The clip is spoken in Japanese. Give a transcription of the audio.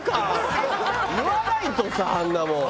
言わないとさあんなもんは。